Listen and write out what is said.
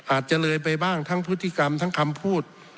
อาจจะเลยไปบ้างทั้งพฤติกรรมทั้งคำพูด